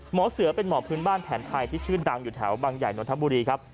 หมอเสือเป็นหมอพื้นบ้านแผนไทยที่ชื่อดังอยู่แถวบางใหญ่นนทบุรีครับ